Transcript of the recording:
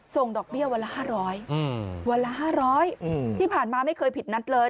ส่งดอกเบี้ยวันละ๕๐๐บาทที่ผ่านมาไม่เคยผิดนัดเลยอืม